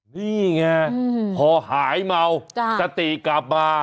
นี่ไงพอหายเมาสติกลับมา